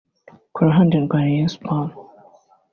Ku ruhande rwa Rayon Sports